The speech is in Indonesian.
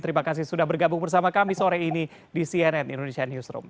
terima kasih sudah bergabung bersama kami sore ini di cnn indonesia newsroom